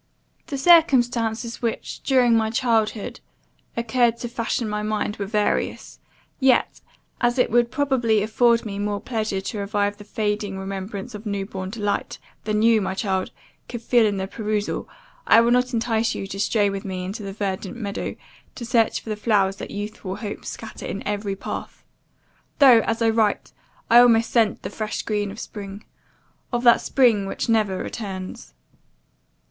"The circumstances which, during my childhood, occurred to fashion my mind, were various; yet, as it would probably afford me more pleasure to revive the fading remembrance of newborn delight, than you, my child, could feel in the perusal, I will not entice you to stray with me into the verdant meadow, to search for the flowers that youthful hopes scatter in every path; though, as I write, I almost scent the fresh green of spring of that spring which never returns!